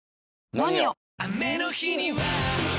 「ＮＯＮＩＯ」！